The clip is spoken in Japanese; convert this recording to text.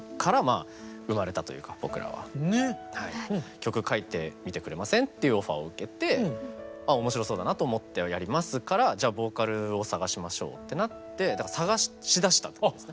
「曲書いてみてくれません？」っていうオファーを受けて面白そうだなと思ってやりますからじゃあボーカルを探しましょうってなって探しだしたってことですね。